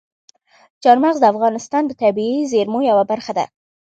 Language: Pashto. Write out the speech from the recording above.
چار مغز د افغانستان د طبیعي زیرمو یوه برخه ده.